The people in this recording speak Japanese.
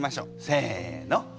せの。